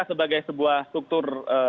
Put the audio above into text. kpk sebagai sebuah struktur kebenaran